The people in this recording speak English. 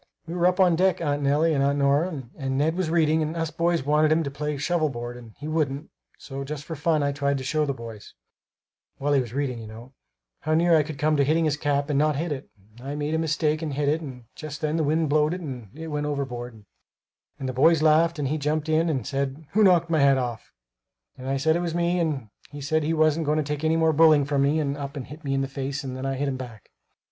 "We were up on deck, Aunt Nellie and Aunt Nora, and Ned was reading and us boys wanted him to play shovel board and he wouldn't; so just for fun, I tried to show the boys while he was reading, you know how near I could come to hitting his cap, and not hit it; and I made a mistake and hit it and just then the wind blowed and it went overboard, and the boys laughed and he jumped up and said, 'Who knocked my hat off?' and I said it was me, and he said he wasn't going to take any more bullying from me and up and hit me in the face and then I hit him back.